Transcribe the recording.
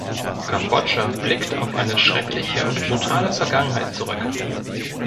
Kambodscha blickt auf eine schreckliche und brutale Vergangenheit zurück.